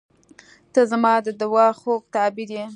• ته زما د دعا خوږ تعبیر یې.